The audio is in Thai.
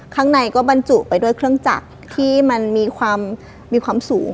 ข้างในก็บรรจุไปด้วยเครื่องจักรที่มันมีความมีความสูง